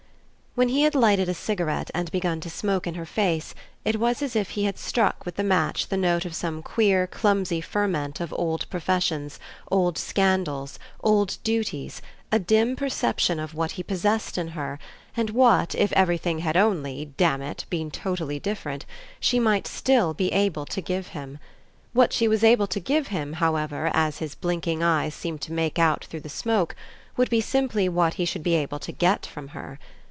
XIX When he had lighted a cigarette and begun to smoke in her face it was as if he had struck with the match the note of some queer clumsy ferment of old professions, old scandals, old duties, a dim perception of what he possessed in her and what, if everything had only damn it! been totally different, she might still be able to give him. What she was able to give him, however, as his blinking eyes seemed to make out through the smoke, would be simply what he should be able to get from her.